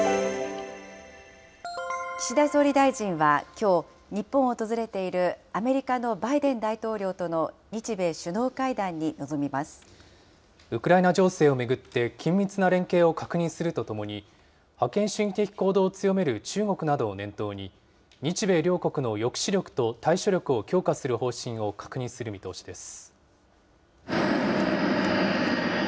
岸田総理大臣は、きょう、日本を訪れているアメリカのバイデン大統領との日米首脳会談に臨ウクライナ情勢を巡って緊密な連携を確認するとともに、覇権主義的行動を強める中国などを念頭に、日米両国の抑止力と対処力を強化する方針を確認する見通しです。